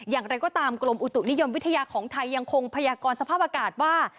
อย่างไรก็ตามกรมอุตุนิยมวิทยาของไทยยังคงพยากรสภาพอากาศว่า